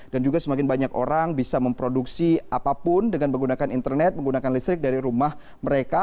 juga semakin banyak orang bisa memproduksi apapun dengan menggunakan internet menggunakan listrik dari rumah mereka